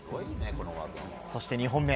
そして２本目。